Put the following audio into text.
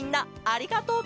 ありがとう！